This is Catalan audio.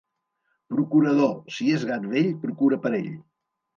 Procurador, si és gat vell, procura per ell.